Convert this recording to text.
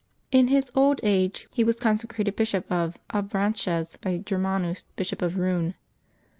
In his old age he was consecrated Bishop of Avranches by Germanus, Bishop of Eouen.